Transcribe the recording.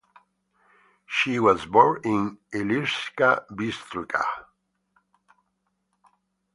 She was born in Ilirska Bistrica.